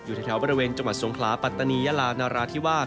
อยู่แถวบรเวนจังหวาดสงคราปาตทานียรนาราธิวาค